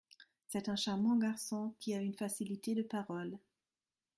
C’est un charmant garçon… qui a une facilité de parole…